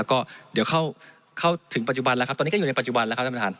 ก็เดี๋ยวเข้าถึงปัจจุบันแล้วครับตอนนี้ก็อยู่ในปัจจุบันแล้วครับท่านประธาน